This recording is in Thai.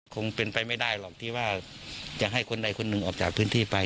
คงเป็นไปไม่ได้หรอกที่ว่าจะให้คนใดคนหนึ่งออกจากพื้นที่ไป